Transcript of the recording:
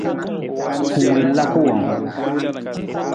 Ng wii ng laka wang ?